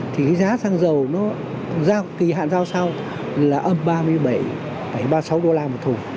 thì giá xăng dầu nó giao kỳ hạn giao sau là âm ba mươi bảy ba mươi sáu đô la một thùng